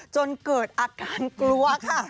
จนเกิดอาการกลัวค่ะ